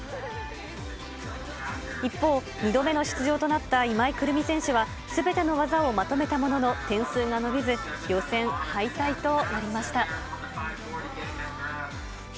一方、２度目の出場となった今井胡桃選手は、すべての技をまとめたものの、点数が伸びず、予選敗退となりました。